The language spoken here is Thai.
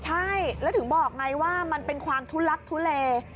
ใช่แล้วถึงบอกไงว่ามันเป็นความทุลักทุเล